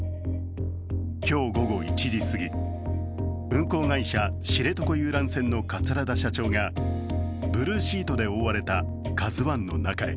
今日午後１時すぎ運航会社、知床遊覧船の桂田社長がブルーシートで覆われた「ＫＡＺＵⅠ」の中へ。